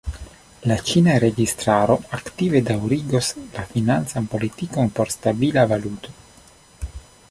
La ĉina registaro aktive daŭrigos la financan politikon por stabila valuto.